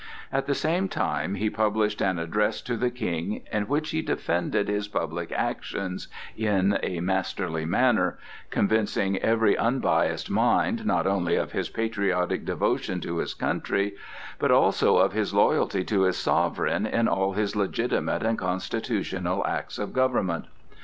At the same time he published an address to the King in which he defended his public actions in a masterly manner, convincing every unbiased mind not only of his patriotic devotion to his country, but also of his loyalty to his sovereign in all his legitimate and constitutional acts of government.